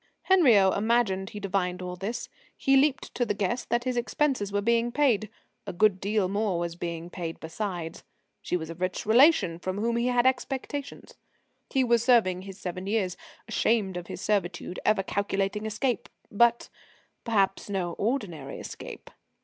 Henriot imagined he divined all this. He leaped to the guess that his expenses were being paid. A good deal more was being paid besides. She was a rich relation, from whom he had expectations; he was serving his seven years, ashamed of his servitude, ever calculating escape but, perhaps, no ordinary escape.